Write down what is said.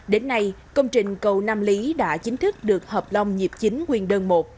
đến nay công trình cầu nam lý đã chính thức được hợp long nhịp chính nguyên đơn một